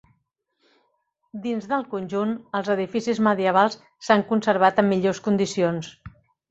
Dins del conjunt, els edificis medievals s'han conservat en millors condicions.